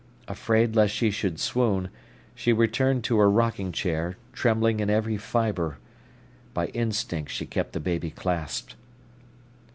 Afraid lest she should swoon, she returned to her rocking chair, trembling in every fibre. By instinct, she kept the baby clasped.